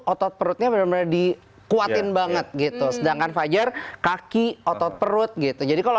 otot perutnya bener bener dikuatin banget gitu sedangkan fajar kaki otot perut gitu jadi kalau